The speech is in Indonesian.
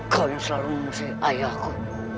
kau yang selalu mengusung ayahku